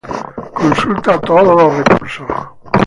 Consulta todos los recursos